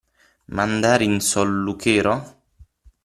Mandare in solluchero.